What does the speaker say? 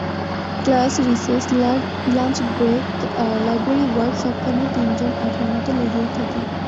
Class, recess, lunch break, library work সবখানেই তিনজন আঠার মতো লেগেই থাকে।